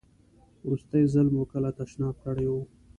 وروستی ځل مو کله تشناب کړی و؟